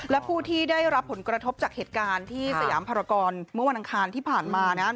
และผู้ที่ได้รับผลกระทบจากเหตุการณ์ที่สยามภารกรเมื่อวันอังคารที่ผ่านมานะครับ